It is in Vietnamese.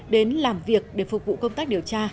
đến làm việc để phục vụ công tác điều tra